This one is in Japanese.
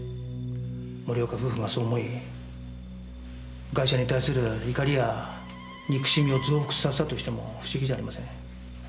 森岡夫婦がそう思いガイシャに対する怒りや憎しみを増幅させたとしても不思議じゃありません。